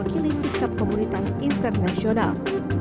ia memwakili sikap komunitas internasional